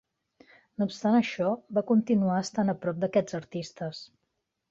No obstant això, va continuar estant a prop d'aquests artistes.